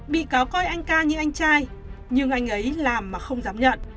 bị cáo coi anh ca như anh trai nhưng anh ấy làm mà không dám nhận